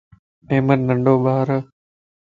احمد ننڊو ٻار ائي